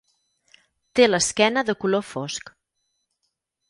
Té l'esquena de color fosc.